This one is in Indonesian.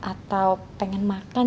atau pengen makan